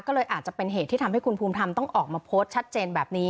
ก็เลยอาจจะเป็นเหตุที่ทำให้คุณภูมิธรรมต้องออกมาโพสต์ชัดเจนแบบนี้